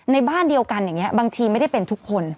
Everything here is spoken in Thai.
ในบ้านเดียวกันอย่างนี้บางทีไม่ได้เป็นทุกคน